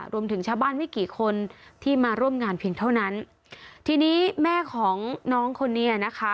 รวมถึงชาวบ้านไม่กี่คนที่มาร่วมงานเพียงเท่านั้นทีนี้แม่ของน้องคนนี้นะคะ